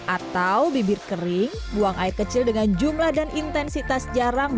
atau bibir kering buang air kecil dengan jumlah dan intensitas jarang